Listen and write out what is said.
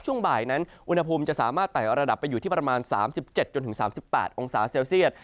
ช่วงบ่ายนั้นอุณหภูมิจะสามารถไต่ระดับไปอยู่ที่ประมาณ๓๗๓๘องศาเซลเซียต